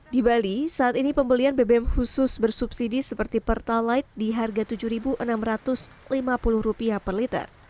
di bali saat ini pembelian bbm khusus bersubsidi seperti pertalite di harga rp tujuh enam ratus lima puluh per liter